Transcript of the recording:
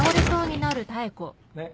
ねっ。